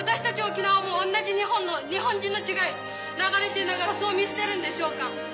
沖縄も同じ日本の日本人の血が流れていながらそう見捨てるんでしょうか？